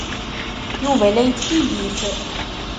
Yuba la yettkeyyif.